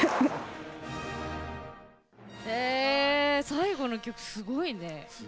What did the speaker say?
最後の曲、すごいね。